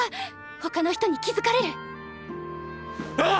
他の人に気付かれる！あっ！！